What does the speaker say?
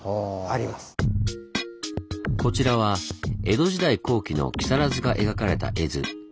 こちらは江戸時代後期の木更津が描かれた絵図。